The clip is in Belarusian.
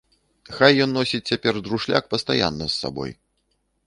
Хай ён носіць цяпер друшляк пастаянна з сабой.